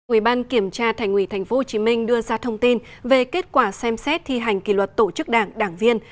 ủy ban kiểm tra thành ủy tp hcm đưa ra thông tin về kết quả xem xét thi hành kỷ luật tổ chức đảng đảng viên